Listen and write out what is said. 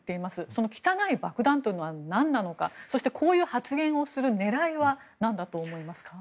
その汚い爆弾というのは何なのかそしてこういう発言をする狙いは何だと思いますか。